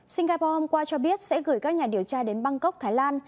singapore hôm qua cho biết sẽ gửi các nhà điều tra đến bangkok thái lan